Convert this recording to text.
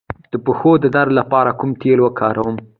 د پښو د درد لپاره کوم تېل وکاروم؟